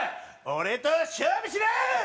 俺と勝負しろ！